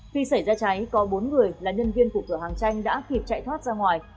khi xảy ra cháy có bốn người là nhân viên của cửa hàng tranh đã kịp chạy thoát ra ngoài